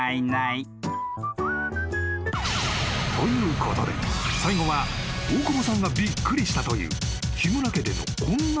［ということで最後は大久保さんがびっくりしたという日村家でのこんな出来事］